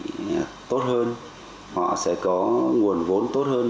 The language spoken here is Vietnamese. họ sẽ có nền kinh tế tốt hơn họ sẽ có nguồn vốn tốt hơn